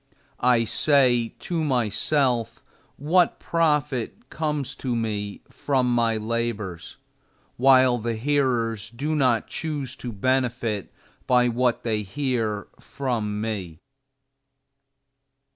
I say to myself what profit comes to me from my labors, while the hearers do not choose to benefit by what they hear from me?